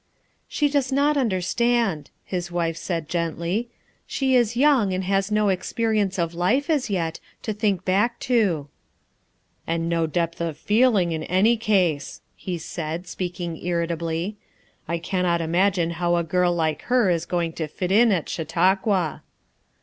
"She does not understand," his wife said gently. "She is young and has no experience of life, as yet, to think back to." "And no depth of feeling in any case," he said, speaking irritably. "I cannot imagine how a girl like her is going to fit in at Chautau qua."